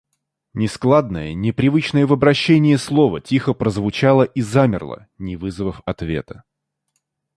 Нескладное, непривычное в обращении слово тихо прозвучало и замерло, не вызвав ответа.